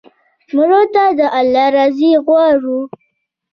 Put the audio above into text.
مړه ته د الله رضا غواړو